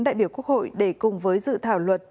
đại biểu quốc hội để cùng với dự thảo luật